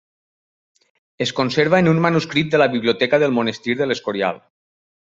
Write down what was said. Es conserva en un manuscrit de la biblioteca del monestir de l'Escorial.